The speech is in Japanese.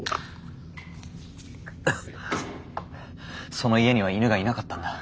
その家には犬がいなかったんだ。